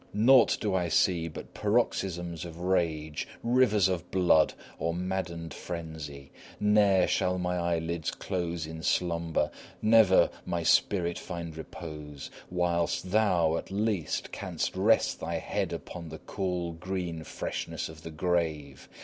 Naught do I see but paroxysms of rage, rivers of blood, or maddened frenzy. Ne'er shall my eyelids close in slumber, never my spirit find repose, whilst thou, at least, canst rest thy head upon the cool, green freshness of the grave.